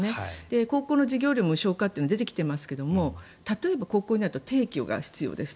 高校の授業料無償化って出てきてますが例えば高校になると定期が必要ですと。